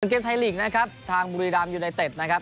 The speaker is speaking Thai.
เกมไทยลีกนะครับทางบุรีรามยูไนเต็ดนะครับ